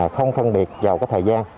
không thân biệt vào cái thời gian